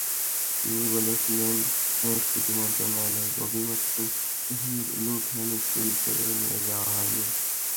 তিনি বলেছিলেন, সংস্কৃতি মন্ত্রণালয়ের অভিমত—কোহিনূর লুট হয়নি, চুরি করেও নিয়ে যাওয়া হয়নি।